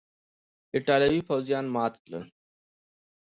ایټالوي پوځیان مات کړل.